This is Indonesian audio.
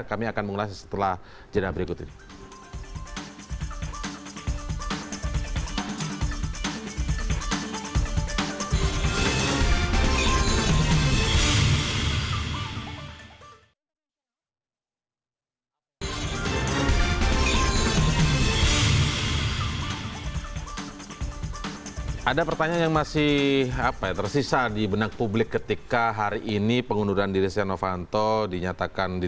kami akan mengulasih setelah jadwal berikut ini